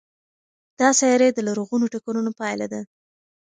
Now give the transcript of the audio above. دا سیارې د لرغونو ټکرونو پایله ده.